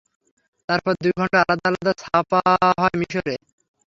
তারপর দুই খণ্ডে আলাদা-আলাদা ছাপা হয় মিসরে।